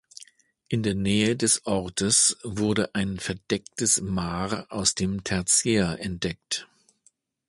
In der Nähe des Ortes wurde ein verdecktes Maar aus dem Tertiär entdeckt.